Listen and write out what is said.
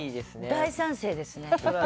大賛成ですね。